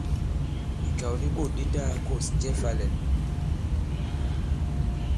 Ìkàw di bôt di ta-gā-kôs jɛ fā-lɛ̌n.